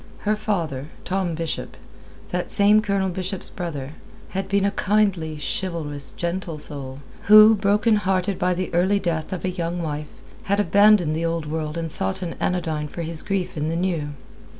Her father, Tom Bishop that same Colonel Bishop's brother had been a kindly, chivalrous, gentle soul, who, broken hearted by the early death of a young wife, had abandoned the Old World and sought an anodyne for his grief in the New.